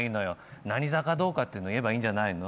何座かどうかって言えばいいんじゃないの？